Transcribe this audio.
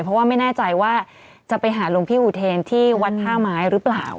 เพราะว่าไม่แน่ใจว่าจะไปหาหลวงพี่อุเทนที่วัดท่าไม้หรือเปล่า